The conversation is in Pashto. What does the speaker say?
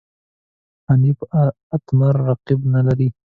حنیف اتمر رقیب نه لري.